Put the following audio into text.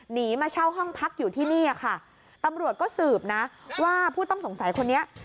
หนีมาเช่าห้องพักอยู่ที่นี่ค่ะตำรวจก็สืบนะว่าผู้ต้องสงสัยคนนี้